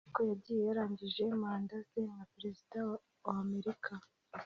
ariko yagiyeyo yararangje manda ze nka Perezida wa Amerika